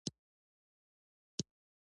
موږ افغانان ړانده، کاڼه او ګونګیان یوو.